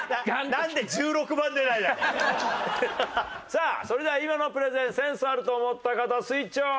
さあそれでは今のプレゼンセンスあると思った方スイッチオン！